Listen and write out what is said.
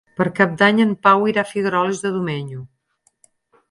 Per Cap d'Any en Pau irà a Figueroles de Domenyo.